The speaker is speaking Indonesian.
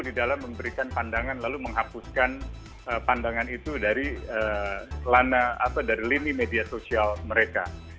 jadi kita harus memberikan pandangan lalu menghapuskan pandangan itu dari lini media sosial mereka